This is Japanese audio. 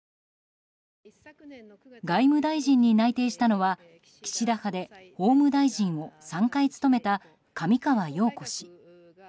外務大臣に内定したのは岸田派で法務大臣を３回務めた上川陽子氏。